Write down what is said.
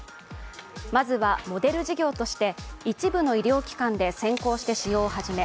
まずは、モデル事業として一部の医療機関で先行して使用を始め